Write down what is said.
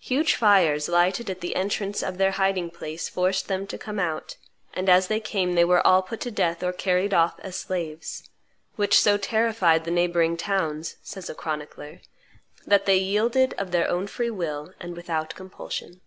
Huge fires lighted at the entrance of their hiding place forced them to come out, and as they came they were all put to death or carried off as slaves; "which so terrified the neighboring towns," says a chronicler, "that they yielded of their own free will and without compulsion."